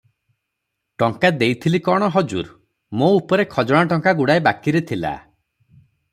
"ଟଙ୍କା ଦେଇଥିଲି କଣ ହଜୁର! ମୋ ଉପରେ ଖଜଣା ଟଙ୍କା ଗୁଡ଼ାଏ ବାକିରେ ଥିଲା ।